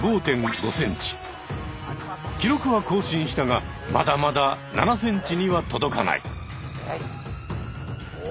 記録は更新したがまだまだ７ｃｍには届かない。